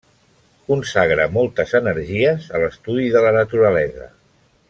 Consagra moltes energies a l'estudi de la naturalesa.